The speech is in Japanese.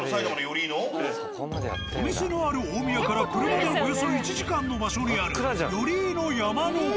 お店のある大宮から車でおよそ１時間の場所にある寄居の山の奥。